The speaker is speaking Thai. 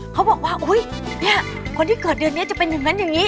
เขาบอกว่าอุ๊ยเนี่ยคนที่เกิดเดือนนี้จะเป็นอย่างนั้นอย่างนี้